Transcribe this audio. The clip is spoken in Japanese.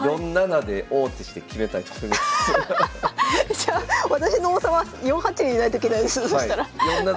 じゃあ私の王様４八にいないといけないですね